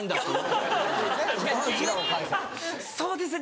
そうですね